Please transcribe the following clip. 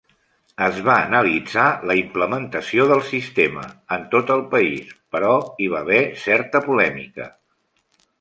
Es va analitzar la implementació del sistema en tot el país, però hi va haver certa polèmica.